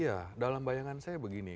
iya dalam bayangan saya begini